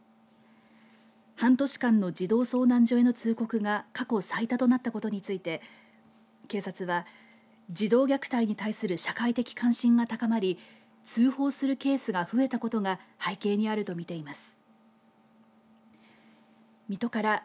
半年間の児童相談所への通告が過去最多となったことについて警察は児童虐待に対する社会的関心が高まり通報するケースが増えたことが背景にあると見ています。